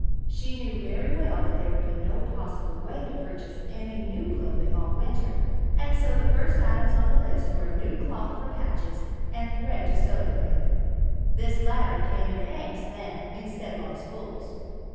She knew very well that there would be no possible way to purchase any new clothing all winter and so the first items on the list were: new cloth for patches and thread to sew them with. This latter came in "hanks" then, instead of on spools.